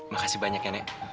makasih banyak ya nek